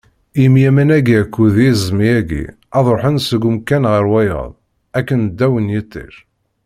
Imi aman-agi akked yiẓmi-agi, ad ruḥen seg umkan ɣer wayeḍ akken ddaw n yiṭij.